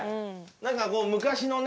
何かこう昔のね。